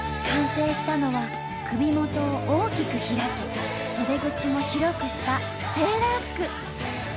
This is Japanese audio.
完成したのは首元を大きく開き袖口も広くしたセーラー服。